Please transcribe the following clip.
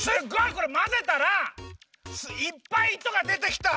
これまぜたらいっぱいいとがでてきた。